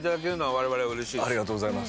ありがとうございます。